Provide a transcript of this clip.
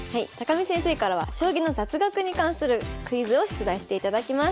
見先生からは将棋の雑学に関するクイズを出題していただきます。